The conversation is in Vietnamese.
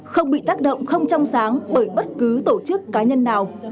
không bị tác động không trong sáng bởi bất cứ tổ chức cá nhân nào